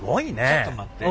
ちょっと待って。